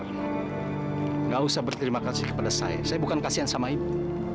tidak usah berterima kasih kepada saya saya bukan kasihan sama ibu